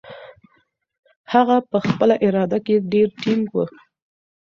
هغه په خپله اراده کې ډېر ټینګ و.